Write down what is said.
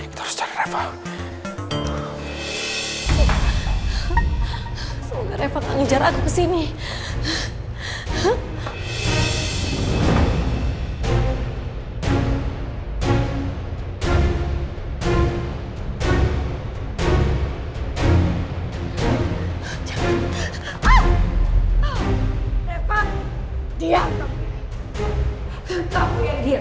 kamu yang diam